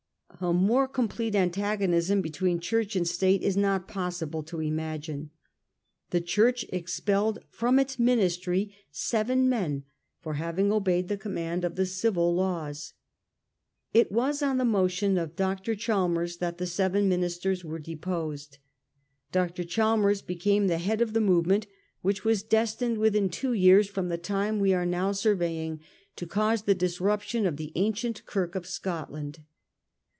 A more complete antagonism between Church and State is not possible to imagine. The Church expelled from its mini stry seven men for having obeyed the command of the civil laws. It was on the motion of Dr. Chalmers that the seven ministers were deposed. Dr. Chalmers became the leader of the movement which was destined 220 A HISTORY OF O'UR OWN TIMES. cn. x. within two years from the time we are now survey ing to cause the disruption of the ancient Kirk of Scotland.